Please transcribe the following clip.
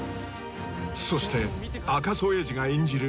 そして赤楚衛二が演じる